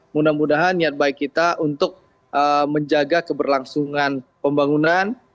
mudah mudahan niat baik kita untuk menjaga keberlangsungan pembangunan